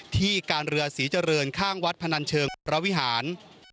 ที่การเรือศรีเจริญข้างวัดพนันเชิงวรวิหาร